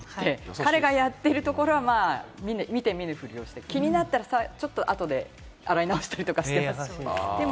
彼がやってるところは見て見ぬふりして、気になったら、ちょっと後で洗い直したりして。